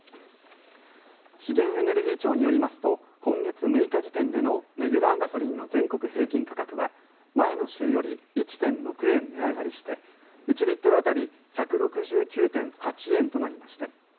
資源エネルギー庁によりますと今月６日時点でのレギュラーガソリンの全国平均価格は前の週より１．６円値上がりして１リットル当たり１６９．８円となりました。